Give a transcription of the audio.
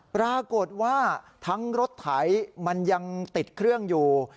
ปรากฏว่าทั้งรถไถมันยังติดเครื่องอยู่